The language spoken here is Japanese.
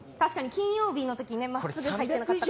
金曜日の時真っすぐ入ってなかったから。